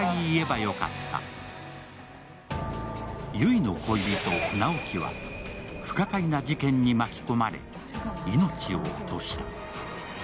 悠依の恋人・直木は不可解な事件に巻き込まれ命を落とした。